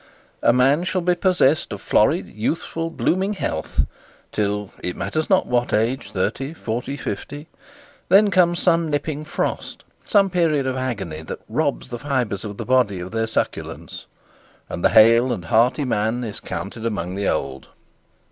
A man shall be possessed of florid youthful blooming health till it matters not what age. Thirty forty fifty, then comes some nipping frost, some period of agony, that robs the fibres of the body of their succulence, and the hale and hearty man is counted among the old.